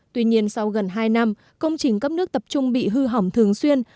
tuy nhiên sau gần hai năm công trình cấp nước tập trung bị hư hỏng thường xuyên